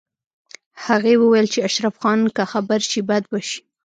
هغې وویل چې اشرف خان که خبر شي بد به شي